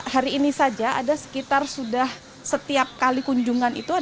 hari ini saja ada sekitar sudah setiap kali kunjungan itu